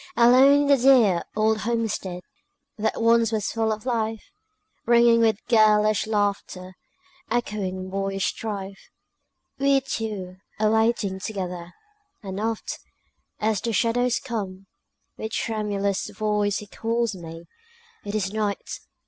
Alone in the dear old homestead That once was full of life, Ringing with girlish laughter, Echoing boyish strife, We two are waiting together; And oft, as the shadows come, With tremulous voice he calls me, "It is night!